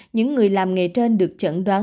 những người làm nghề trên được chẩn đoán